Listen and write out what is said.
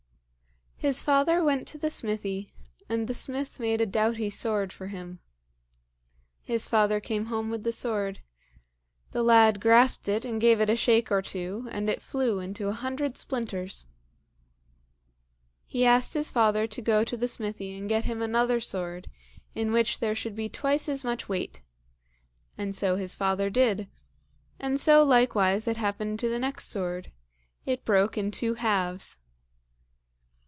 His father went to the smithy, and the smith made a doughty sword for him. His father came home with the sword. The lad grasped it and gave it a shake or two, and it flew into a hundred splinters. He asked his father to go to the smithy and get him another sword in which there should be twice as much weight; and so his father did, and so likewise it happened to the next sword it broke in two halves.